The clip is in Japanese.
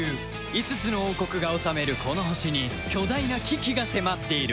５つの王国が治めるこの星に巨大な危機が迫っている